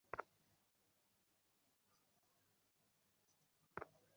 আমি শুধু আপনাদের বারবার আসল সত্যটা বলার চেষ্টা করছি!